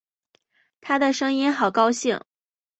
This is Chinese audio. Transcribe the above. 她的声音好高兴